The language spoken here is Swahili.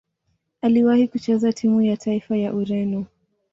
Aliwahi kucheza timu ya taifa ya Ureno.